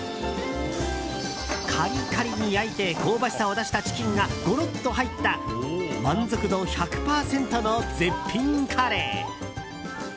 カリカリに焼いて香ばしさを出したチキンがゴロッと入った満足度１００％の絶品カレー。